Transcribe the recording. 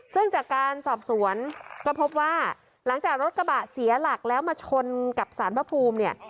ซึ่งจากการสอบสวนก็พบว่าหลังจากรถกระบะเสียหลักแล้วมาชนกับสารพระภูมิเนี่ย